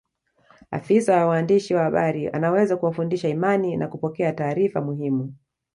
Afisa wa waandishi wa habari anaweza kuwafundisha imani na kupokea taarifa muhimu